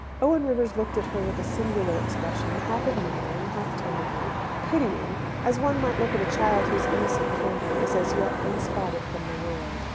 Owen Rivers looked at her with a singular expression, half admiring, half tenderly, pitying as one might look at a child whose innocent candour is as yet "unspotted from the world."